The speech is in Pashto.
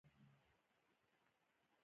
خو هرې خوا ته سرګردانه څي رڅي.